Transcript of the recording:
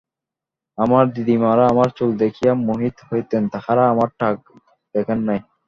আমার দিদিমারা আমার চুল দেখিয়া মোহিত হইতেন, তাঁহারা আমার টাক দেখেন নাই।